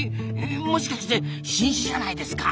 もしかして新種じゃないですか？